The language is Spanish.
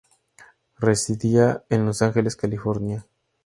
Residía en Los Ángeles, California.